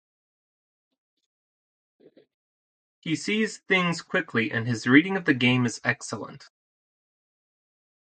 He sees things quickly and his reading of the game is excellent.